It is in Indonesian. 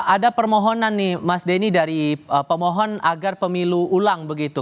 ada permohonan nih mas denny dari pemohon agar pemilu ulang begitu